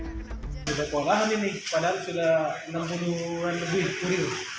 sudah kewalahan ini padahal sudah enam puluh an lebih kurir